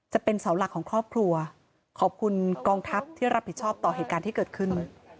จะเป็นเสาหลักของครอบครัวขอบคุณกองทัพที่รับผิดชอบต่อเหตุการณ์ที่เกิดขึ้น